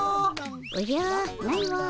おじゃないわ。